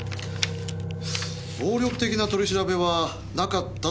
暴力的な取り調べはなかったとありますが杉田署長。